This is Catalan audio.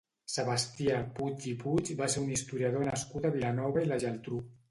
Sebastià Puig i Puig va ser un historiador nascut a Vilanova i la Geltrú.